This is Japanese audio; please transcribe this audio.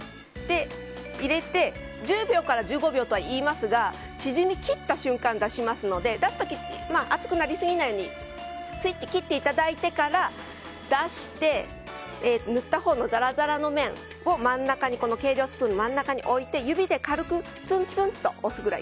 入れて１０秒から１５秒といいますが縮みきった瞬間に出しますので出す時、熱くなりすぎないようにスイッチを切っていただいてから出して、塗ったほうのザラザラの面を計量スプーンの真ん中に置いて指で軽くつんつんと押すくらい。